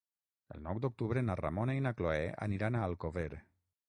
El nou d'octubre na Ramona i na Cloè aniran a Alcover.